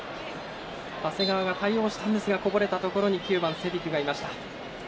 長谷川が対応したんですがこぼれたところに９番、セビクがいました。